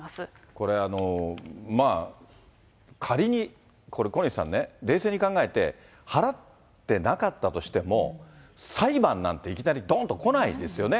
これ、まあ仮にこれ、小西さんね、冷静に考えて、払ってなかったとしても、裁判なんて、いきなりどんと来ないですよね。